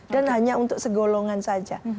dan hanya untuk segolongan saja